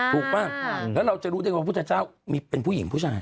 ป่ะแล้วเราจะรู้ได้ว่าพุทธเจ้ามีเป็นผู้หญิงผู้ชาย